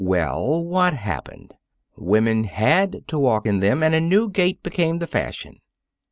Well, what happened? Women had to walk in them, and a new gait became the fashion.